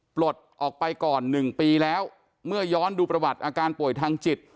ปลดออกไปก่อน๑ปีแล้วเมื่อย้อนดูประวัติอาการป่วยทางจิต